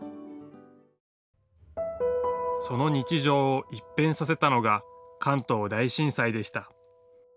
その日常を一変させたのが関東大震災でした。